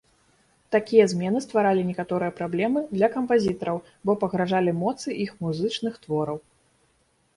Такія змены стваралі некаторыя праблемы для кампазітараў, бо пагражалі моцы іх музычных твораў.